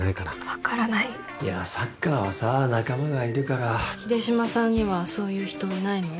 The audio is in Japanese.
分からないいやあサッカーはさ仲間がいるから秀島さんにはそういう人いないの？